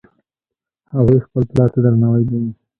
هغوی خپل پلار ته درناوی لري